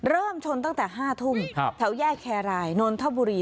เริ่มชนตั้งแต่๕ทุ่มแถวแยกแครรายนนทบุรี